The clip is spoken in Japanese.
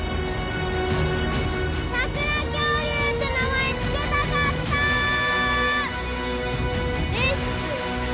サクラ恐竜って名前つけたかった！です。